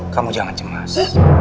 kamu jangan cemas